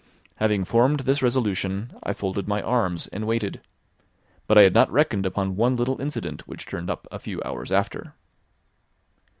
Having formed this resolution, I folded my arms and waited. But I had not reckoned upon one little incident which turned up a few hours after.